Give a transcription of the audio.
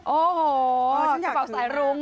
โอ้โหชินกระเป๋าสายรุ้ง